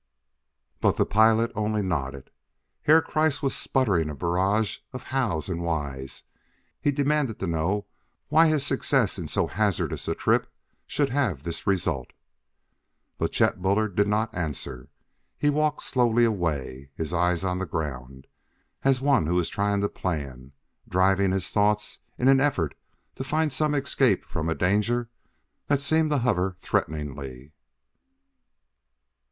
But the pilot only nodded. Herr Kreiss was sputtering a barrage of how's and why's; he demanded to know why his success in so hazardous a trip should have this result. But Chet Bullard did not answer. He walked slowly away, his eyes on the ground, as one who is trying to plan; driving his thoughts in an effort to find some escape from a danger that seemed to hover threateningly.